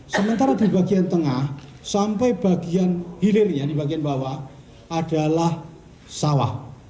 sementara di bagian tengah sampai bagian hilirnya di bagian bawah adalah sawah